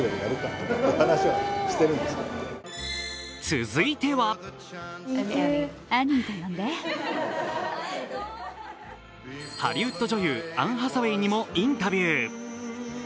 続いてはハリウッド女優、アン・ハサウェイにもインタビュー。